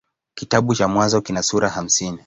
Kitabu cha Mwanzo kina sura hamsini.